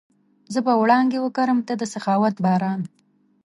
زه به وړانګې وکرم، ته د سخاوت باران